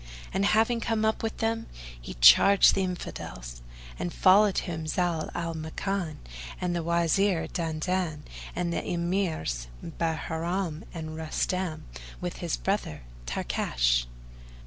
And having come up with them, he charged the Infidels; and followed him Zau al Makan and the Wazir Dandan and the Emirs Bahram and Rustam with his brother Tarkash.